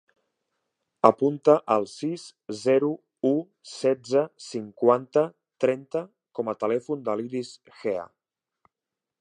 Apunta el sis, zero, u, setze, cinquanta, trenta com a telèfon de l'Iris Gea.